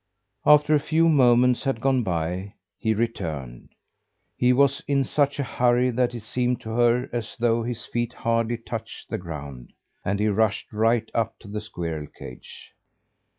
After a few moments had gone by, he returned. He was in such a hurry that it seemed to her as though his feet hardly touched the ground; and he rushed right up to the squirrel cage.